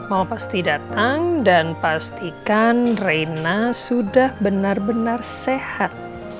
mama pasti datang dan pastikan reina sudah benar benar sehat